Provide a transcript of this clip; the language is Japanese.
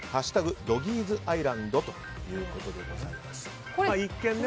「＃ドギーズアイランド」ということです。